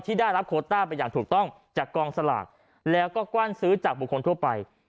ได้รับโคต้าไปอย่างถูกต้องจากกองสลากแล้วก็กว้านซื้อจากบุคคลทั่วไป